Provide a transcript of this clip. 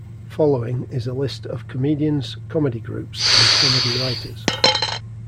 Following is a list of comedians, comedy groups, and comedy writers.